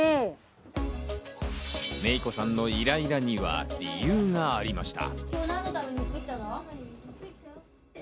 芽衣子さんのイライラには理由がありました。